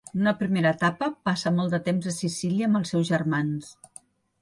En una primera etapa, passa molt de temps a Sicília amb els seus germans.